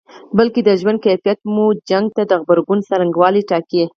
بلکې د ژوند کيفیت مو شخړې ته د غبرګون څرنګوالی ټاکي.